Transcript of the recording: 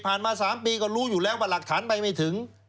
มา๓ปีก็รู้อยู่แล้วว่าหลักฐานไปไม่ถึง